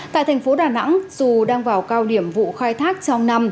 tại thành phố đà nẵng dù đang vào cao điểm vụ khai thác trong năm